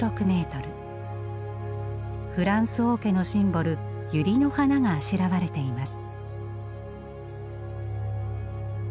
フランス王家のシンボルユリの花があしらわれています。